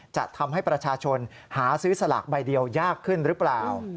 จะทำให้ประชาชนหาซื้อสลากใบเดียวยากขึ้นหรือเปล่า